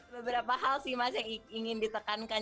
beberapa hal sih mas yang ingin ditekankan